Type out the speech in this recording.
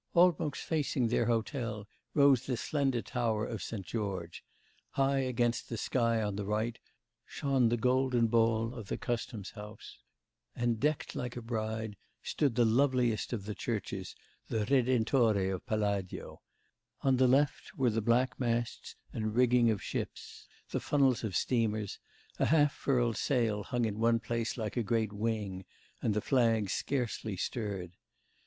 Almost facing their hotel rose the slender tower of S. George; high against the sky on the right shone the golden ball of the Customs House; and, decked like a bride, stood the loveliest of the churches, the Redentore of Palladio; on the left were the black masts and rigging of ships, the funnels of steamers; a half furled sail hung in one place like a great wing, and the flags scarcely stirred.